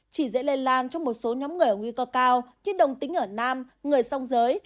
chỉ dễ lây lan trong một số nhóm người ở nguy cơ cao kit đồng tính ở nam người song giới